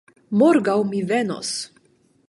Morgaŭ mi venos.